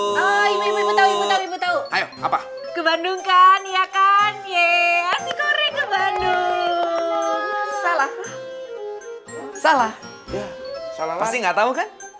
ke bandung kan iya kan yeasikore ke bandung salah salah salah salah pasti nggak tahu kan